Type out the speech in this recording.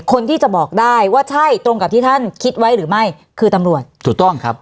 คนที่จะบอกได้ว่าใช่ตรงกับที่ท่านคิดไว้หรือไม่คือตำรวจถูกต้องครับ